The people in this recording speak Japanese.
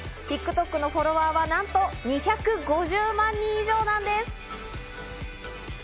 ＴｉｋＴｏｋのフォロワーはなんと２５０万人以上なんです。